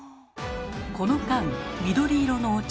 この間緑色のお茶